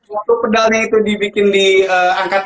untuk pedal nya itu dibikin di angka tiga